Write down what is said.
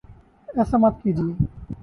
ایسا مت کیجیے